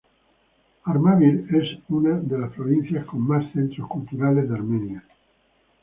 Armavir es una de las provincias con más centros culturales de Armenia.